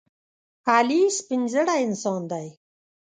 علي سپینزړی انسان دی.